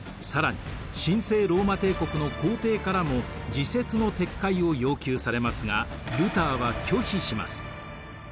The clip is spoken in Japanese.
更に神聖ローマ帝国の皇帝からも自説の撤回を要求されますがルターは拒否します。